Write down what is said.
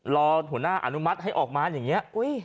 รอหัวหน้าอนุมัติให้ออกมาอย่างนี้